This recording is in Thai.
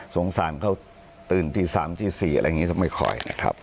สงสารเขาตื่นตอน๓๔ที่จะไม่ค่อย